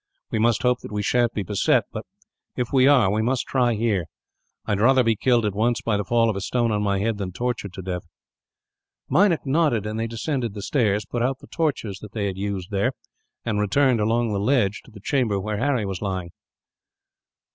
We must hope that we sha'n't be beset; but if we are, we must try here. I would rather be killed, at once, by the fall of a stone on my head, than tortured to death." Meinik nodded, and they descended the stairs, put out the torches that they had used there, and returned along the ledge to the chamber where Harry was lying.